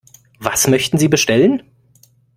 Was möchten Sie bestellen?